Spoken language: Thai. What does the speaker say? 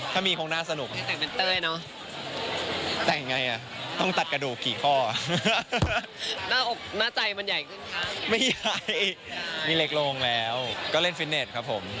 ช่วงนี้ก็มันก็เวลาออกกำลังกายน้อยครับผม